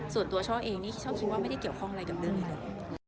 ส่วนตัวเช้าเองนี่เช้าคิดว่าไม่ได้เกี่ยวข้องอะไรกับเรื่องนี้เลย